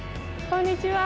こんにちは。